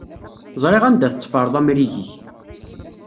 Ẓriɣ anda tetteffreḍ amrig-ik.